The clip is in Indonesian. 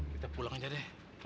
kita pulang aja deh